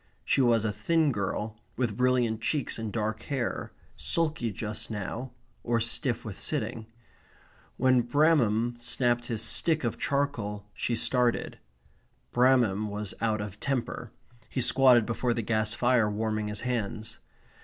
She was a thin girl, with brilliant cheeks and dark hair, sulky just now, or stiff with sitting. When Bramham snapped his stick of charcoal she started. Bramham was out of temper. He squatted before the gas fire warming his hands.